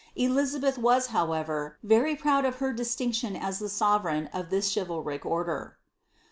Elizabeth was, however, very proud of her distinction as the sovereign of this chivalric order.